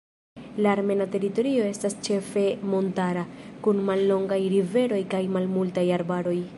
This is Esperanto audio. La armena teritorio estas ĉefe montara, kun mallongaj riveroj kaj malmultaj arbaroj.